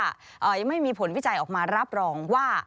ยังไม่มีผลวิจัยออกมารับรองว่า